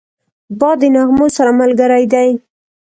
باد د نغمو سره ملګری دی